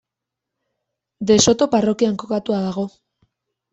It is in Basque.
De Soto parrokian kokatua dago.